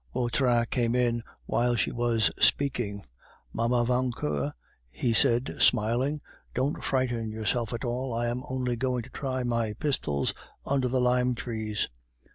Vautrin came in while she was speaking. "Mamma Vauquer," he said smiling, "don't frighten yourself at all. I am only going to try my pistols under the lime trees."